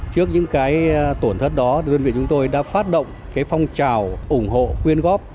trước những cái tổn thất đó đơn vị chúng tôi đã phát động cái phong trào ủng hộ quyên góp